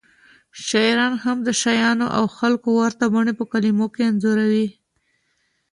شاعران هم د شیانو او خلکو ورته بڼې په کلمو کې انځوروي